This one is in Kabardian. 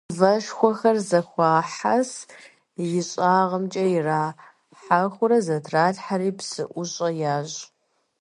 Мывэшхуэхэр зэхуахьэс, ищӀагъымкӀэ ирахьэхыурэ, зэтралъхьэри, псыӀущӀэ ящӀ.